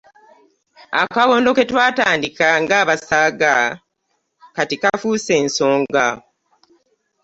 Akabondo ke twatandika ng'abasaaga kati kafuuse ensonga.